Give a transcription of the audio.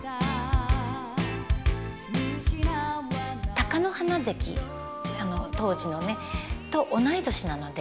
貴乃花関当時のねと同い年なので。